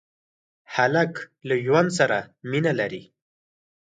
هلک له ژوند سره مینه لري.